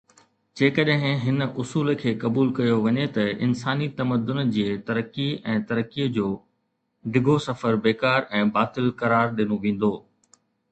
جيڪڏهن هن اصول کي قبول ڪيو وڃي ته انساني تمدن جي ترقي ۽ ترقيءَ جو ڊگهو سفر بيڪار ۽ باطل قرار ڏنو ويندو.